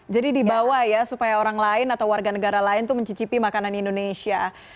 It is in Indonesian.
jadi dibawa ya supaya orang lain atau warga negara lain tuh mencicipi makanan indonesia